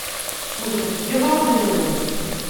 Wtet deg iḍarren-nwen!